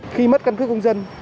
khi mất cân cướp công dân